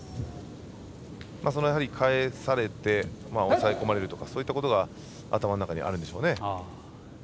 やはり返されて抑え込まれるとかそういったことが頭の中にあるんでしょうね。